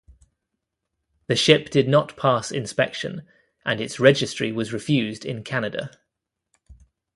The ship did not pass inspection and its registry was refused in Canada.